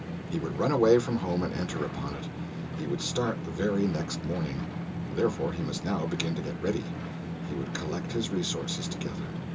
He would run away from home and enter upon it. He would start the very next morning. Therefore he must now begin to get ready. He would collect his resources together.